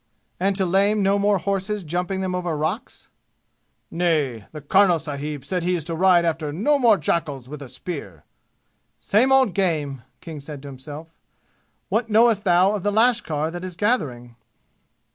"And to lame no more horses jumping them over rocks!" "Nay, the karnal sahib said he is to ride after no more jackals with a spear!" "Same old game!" said King to himself. "What knowest thou of the lashkar that is gathering?"